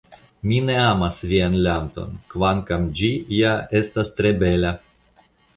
Mi ne amas vian landon, kvankam ĝi ja estas tre bela.